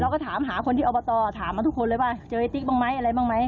ก็ถามหาคนที่อบตถามมาทุกคนเลยว่าเจอไอติ๊กบ้างไหมอะไรบ้างไหม